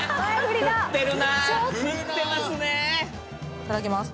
いただきます。